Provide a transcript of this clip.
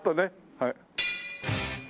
はい。